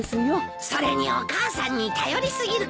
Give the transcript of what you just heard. それにお母さんに頼り過ぎるからね。